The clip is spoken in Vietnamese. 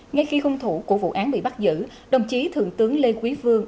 ngay khi hung thủ của vụ án bị bắt giữ đồng chí thượng tướng lê quý phương